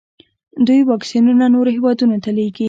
دوی واکسینونه نورو هیوادونو ته لیږي.